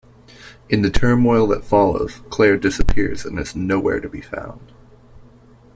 In the turmoil that follows, Claire disappears and is nowhere to be found.